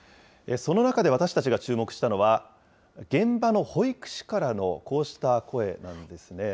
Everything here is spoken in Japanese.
その中で私たちが注目したのは、現場の保育士からのこうした声なんですね。